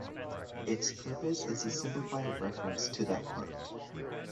Its purpose is to simplify reference to that part.